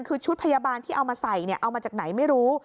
คือชุดพยาบาลที่เอามาใส่เอามาจากไหนไม่รู้